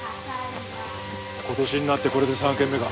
今年になってこれで３軒目か。